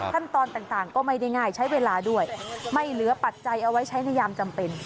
ขั้นตอนต่างก็ไม่ได้ง่ายใช้เวลาด้วยไม่เหลือปัจจัยเอาไว้ใช้ในยามจำเป็น